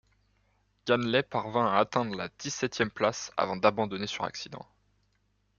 Ganley parvient à atteindre la dix-septième place avant d'abandonner sur accident.